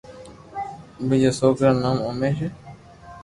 ٻيجا سوڪرا رو نوم اوميݾ